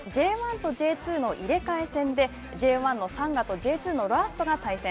Ｊ１とＪ２の入れ替え戦でＪ１のサンガとＪ２のロアッソが対戦。